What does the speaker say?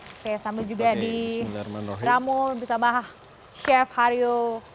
oke sambil juga di ramul bersama chef haryo